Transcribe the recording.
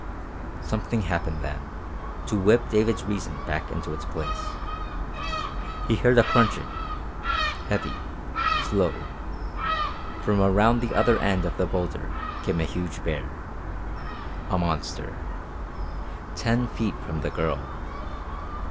Something happened then to whip David's reason back into its place. He heard a crunching heavy, slow. From around the other end of the boulder came a huge bear. A monster. Ten feet from the girl.